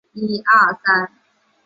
尼克路车站列车服务。